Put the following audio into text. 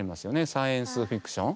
サイエンス・フィクション。